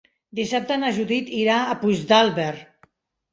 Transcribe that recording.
Dissabte na Judit irà a Puigdàlber.